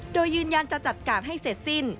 โดยยืนยันจะจัดการให้เสร็จสิ้น